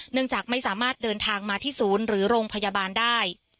จากไม่สามารถเดินทางมาที่ศูนย์หรือโรงพยาบาลได้